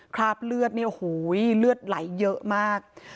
คราบเลือดเนี่ยโอ้โหเลือดไหลเยอะมาก